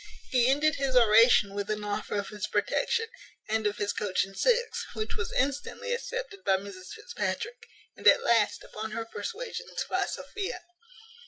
He ended his oration with an offer of his protection, and of his coach and six, which was instantly accepted by Mrs Fitzpatrick, and at last, upon her persuasions, by Sophia.